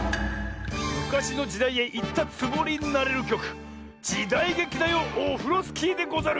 むかしのじだいへいったつもりになれるきょく「じだいげきだよオフロスキー」でござる。